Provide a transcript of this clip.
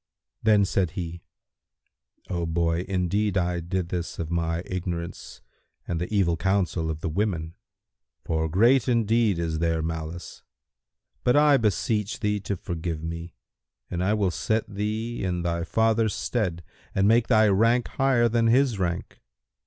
Then said he, "O boy, indeed I did this of my ignorance and by the evil counsel of the women, for 'Great indeed is their malice'[FN#172]; but I beseech thee to forgive me and I will set thee in thy father's stead and make thy rank higher than his rank.